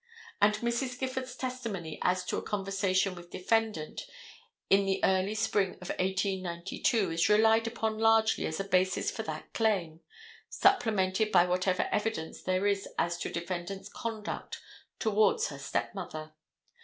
And Mrs. Gifford's testimony as to a conversation with defendant in the early spring of 1892 is relied upon largely as a basis for that claim, supplemented by whatever evidence there is as to defendant's conduct towards her stepmother.